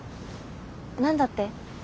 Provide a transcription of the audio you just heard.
何だって？